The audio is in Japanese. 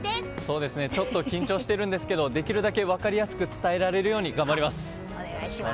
ちょっと緊張してるんですけどできるだけ分かりやすく伝えられるように頑張ります。